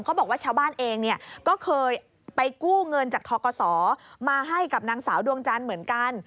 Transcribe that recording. บอกว่าชาวบ้านเองเนี่ยก็เคยไปกู้เงินจากทกศมาให้กับนางสาวดวงจันทร์เหมือนกัน